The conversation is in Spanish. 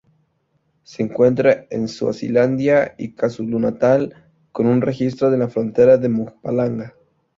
Se encuentra en Suazilandia y KwaZulu-Natal, con un registro en la frontera de Mpumalanga.